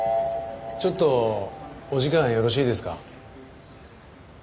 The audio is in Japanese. ちょっとお時間よろしいですか？